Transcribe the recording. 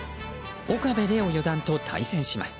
岡部怜央四段と対戦します。